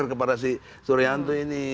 kepada si suryanto ini